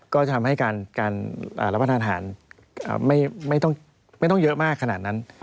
ก็จะทำให้การรับประทานอาหารไม่ต้องเยอะมากขนาดนั้น